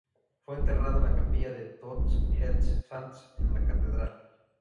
Fue enterrado en la capilla de Tots els Sants, en la catedral.